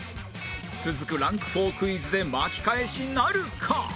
続くランク４クイズで巻き返しなるか？